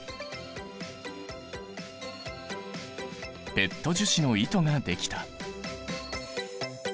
ペット樹脂の糸ができた。